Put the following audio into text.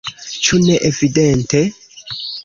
Ĉu ne evidente?